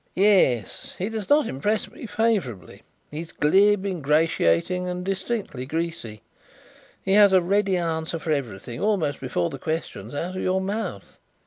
"Yes. He does not impress me favourably. He is glib, ingratiating, and distinctly 'greasy.' He has a ready answer for everything almost before the question is out of your mouth.